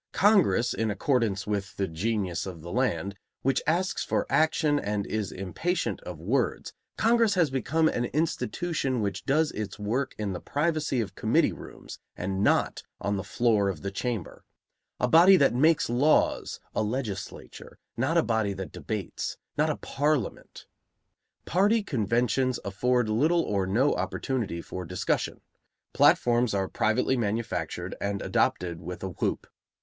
Congress, in accordance with the genius of the land, which asks for action and is impatient of words, Congress has become an institution which does its work in the privacy of committee rooms and not on the floor of the Chamber; a body that makes laws, a legislature; not a body that debates, not a parliament. Party conventions afford little or no opportunity for discussion; platforms are privately manufactured and adopted with a whoop.